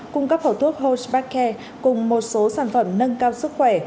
cung cấp hậu thuốc holtzbach care cùng một số sản phẩm nâng cao sức khỏe